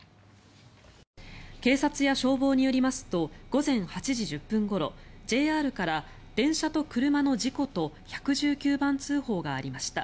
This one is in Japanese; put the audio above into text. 警察や消防によりますと午前８時１０分ごろＪＲから電車と車の事故と１１９番通報がありました。